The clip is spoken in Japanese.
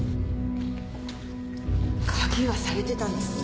鍵はされてたんですね。